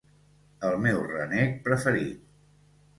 El meu renec preferit